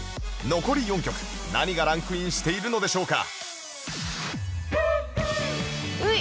残り４曲何がランクインしているのでしょうか？